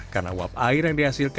karena uap air yang dihasilkan